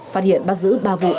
phát hiện bắt giữ ba vụ